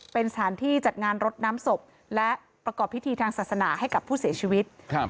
เป็นสถานที่จัดงานรดน้ำศพและประกอบพิธีทางศาสนาให้กับผู้เสียชีวิตครับ